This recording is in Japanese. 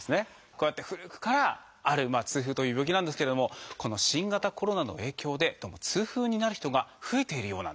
こうやって古くからある痛風という病気なんですけれどもこの新型コロナの影響でどうも痛風になる人が増えているようなんです。